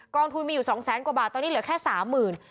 องทุนมีอยู่๒แสนกว่าบาทตอนนี้เหลือแค่๓๐๐๐บาท